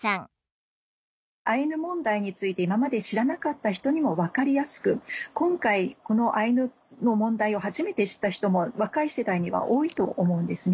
アイヌ問題について今まで知らなかった人にも分かりやすく今回このアイヌの問題を初めて知った人も若い世代には多いと思うんですね。